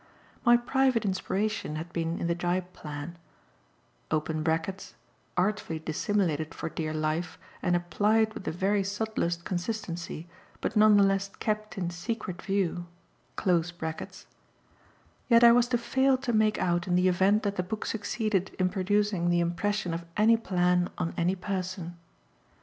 My private inspiration had been in the Gyp plan (artfully dissimulated, for dear life, and applied with the very subtlest consistency, but none the less kept in secret view); yet I was to fail to make out in the event that the book succeeded in producing the impression of ANY plan on any person.